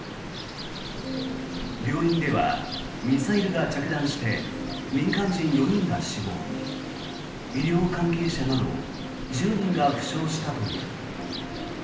病院ではミサイルが着弾して民間人４人が死亡医療関係者など１０人が負傷したという。